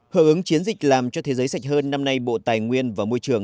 hợp ứng chiến dịch làm cho thế giới sạch hơn năm nay bộ tài nguyên và môi trường